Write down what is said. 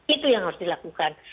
itu yang harus dilakukan